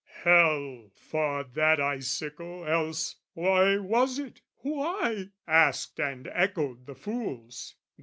Hell thawed that icicle, else "Why was it "Why?" asked and echoed the fools.